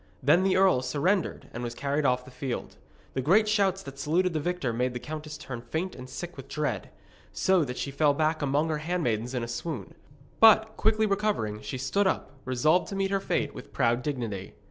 Then the earl surrendered and was carried off the field. The great shouts that saluted the victor made the countess turn faint and sick with dread, so that she fell back among her handmaidens in a swoon. But, quickly recovering, she stood up, resolved to meet her fate with proud dignity.